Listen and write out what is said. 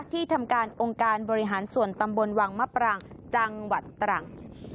ที่ทำการองค์การบริหารส่วนตำบลวังมะปรางจังหวัดตรัง